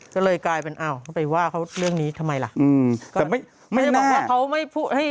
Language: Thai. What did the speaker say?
ก็เลยกลายเป็นอ้าวเขาไปว่าเขาเรื่องนี้ทำไมล่ะอืมแต่ไม่ไม่ได้บอกว่าเขาไม่พูดให้